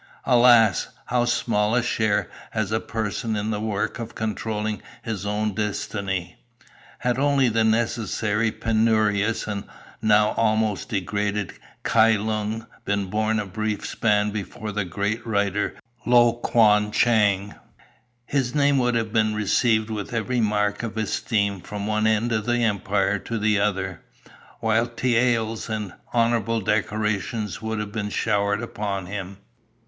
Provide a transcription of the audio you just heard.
"Alas! how small a share has a person in the work of controlling his own destiny. Had only the necessarily penurious and now almost degraded Kai Lung been born a brief span before the great writer Lo Kuan Chang, his name would have been received with every mark of esteem from one end of the Empire to the other, while taels and honourable decorations would have been showered upon him.